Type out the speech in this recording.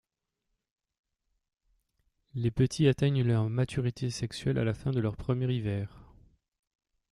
Les petits atteignent leur maturité sexuelle à la fin de leur premier hiver.